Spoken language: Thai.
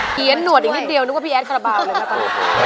เหี้ยนหนวดยังนิดเดียวนึกว่าพี่แอธข้ะระบาวเลย